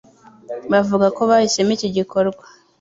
Bavuga ko bahisemo iki gikorwa